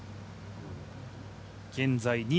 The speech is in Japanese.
現在２位